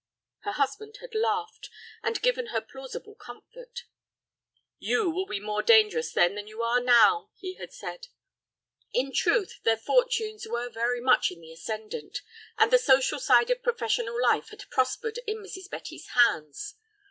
Her husband had laughed, and given her plausible comfort. "You will be more dangerous then than you are now," he had said. In truth, their fortunes were very much in the ascendant, and the social side of professional life had prospered in Mrs. Betty's hands.